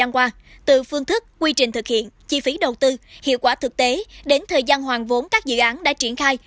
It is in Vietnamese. quy trình thực hiện chi phí đầu tư hiệu quả thực tế đến thời gian hoàng vốn các dự án đã triển khai